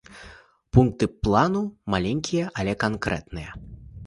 Пункты плану маленькія, але канкрэтныя.